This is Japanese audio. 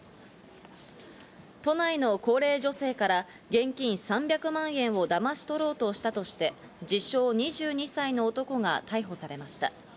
都内の高齢女性から現金３００万円をだまし取ろうとしたとして、自称２２歳の男が逮捕されました。